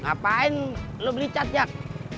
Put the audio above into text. ngapain lu beli cat jack